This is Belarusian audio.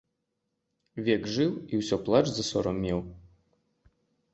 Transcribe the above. Век жыў і ўсё плач за сорам меў.